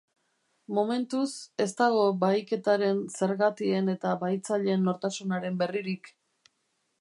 Momentuz, ez dago bahiketaren zergatien eta bahitzaileen nortasunaren berririk.